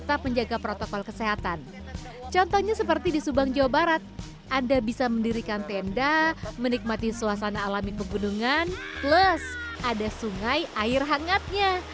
anda bisa mendirikan tenda menikmati suasana alami pegunungan plus ada sungai air hangatnya